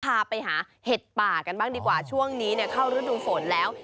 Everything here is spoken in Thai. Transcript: พาไปหาเห็ดป่ากันบ้างดีกว่าช่วงนี้เนี่ยเข้าฤดูฝนแล้ว